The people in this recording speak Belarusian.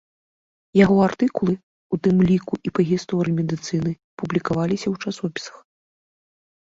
Яго артыкулы, у тым ліку і па гісторыі медыцыны, публікаваліся ў часопісах.